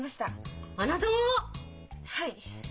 はい。